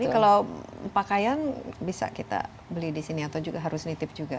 jadi kalau pakaian bisa kita beli di sini atau juga harus nitip juga